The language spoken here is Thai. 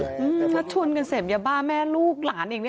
อืมถ้าชวนกันเสร็จยาบ้าแม่ลูกหลานเองเนี่ยนะ